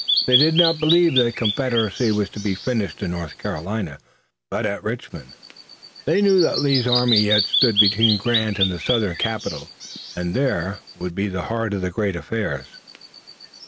They did not believe that the Confederacy was to be finished in North Carolina, but at Richmond. They knew that Lee's army yet stood between Grant and the Southern capital, and, there, would be the heart of great affairs.